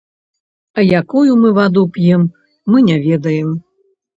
А якую мы ваду п'ем, мы не ведаем.